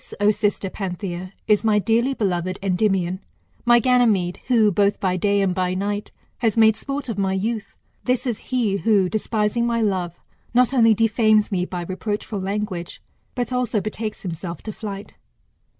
O sister Panthia, is my dearly beloved Endymion, my Ganymede, who, both by day and by night, has made sport of my youth. This is he, who, despising my*love, not only defames me by reproachful lan^age, but also betakes himself to flight.